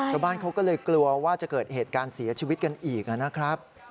ชาวบ้านเขาก็เลยกลัวว่าจะเกิดเหตุการณ์เสียชีวิตกันอีกนะครับ